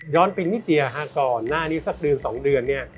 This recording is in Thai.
ย้อนไปนิดเดียวหาก่อนหน้านี้สัก๑๒เดือน